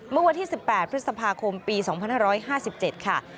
เมื่อวันที่๑๘พฤษภาคมปี๒๕๕๗ค่ะ